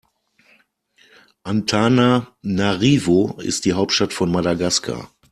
Antananarivo ist die Hauptstadt von Madagaskar.